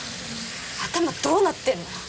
頭どうなってんの？